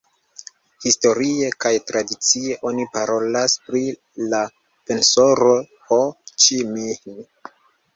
Historie kaj tradicie oni parolas pri la Pensaro Ho Ĉi Minh.